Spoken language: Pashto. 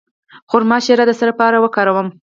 د خرما شیره د څه لپاره وکاروم؟